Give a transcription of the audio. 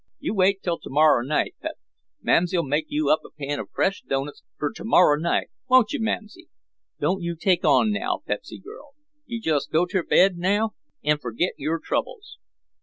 You wait till to morrer night, Pep. Mamsy'll make you up a pan of fresh doughnuts fer to morrer night, won't you, Mamsy? Don't you take on now, Pepsy girl; you jes' go ter bed n' ferget yer troubles."